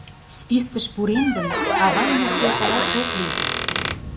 Спискыш пурен гын, авайым ӧпкелтараш ок лий.